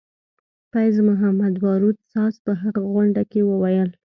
فیض محمدباروت ساز په هغه غونډه کې وویل.